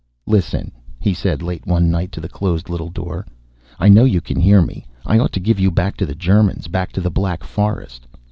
"Listen," he said late one night to the closed little door. "I know you can hear me. I ought to give you back to the Germans back to the Black Forest."